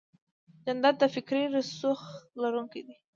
جانداد د فکري رسوخ لرونکی دی.